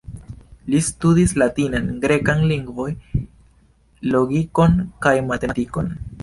Li studis latinan, grekan lingvoj, logikon kaj matematikon.